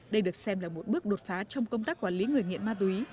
đây được xem là một bước đột phá trong công tác quản lý người nghiện ma túy